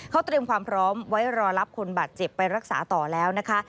เขาเตรียมความพร้อมไว้รอรับคนบาดเจ็บไปรักษาต่อแล้วนะคะ